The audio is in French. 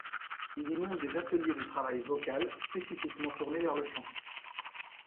Il y monte des ateliers de travail vocal spécifiquement tournés vers le chant.